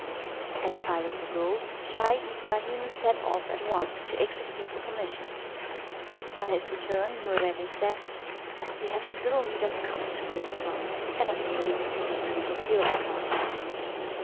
At sight of the gold, Scheih Ibrahim set off at once to execute the commission. On his return, Noureddin said: "We have still need of cups to drink from, and of fruit, if you can procure us some."